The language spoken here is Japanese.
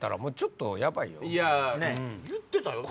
いや言ってたよ。